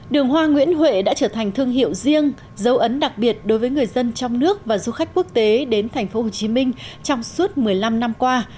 đường hoa nguyễn huệ đã trở thành thương hiệu riêng dấu ấn đặc biệt đối với người dân trong nước và du khách quốc tế đến tp hcm trong suốt một mươi năm năm qua